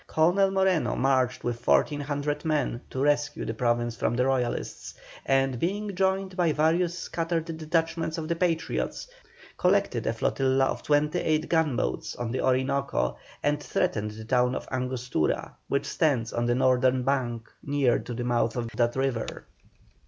Colonel Moreno marched with 1,400 men to rescue the Province from the Royalists, and being joined by various scattered detachments of the Patriots, collected a flotilla of twenty eight gunboats on the Orinoco, and threatened the town of Angostura, which stands on the northern bank near to the mouth of that river.